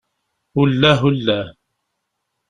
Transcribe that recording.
Ullah, ullah.